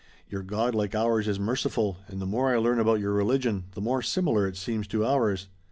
Your God like ours is merciful, and the more I learn about your religion the more similar it seems to ours."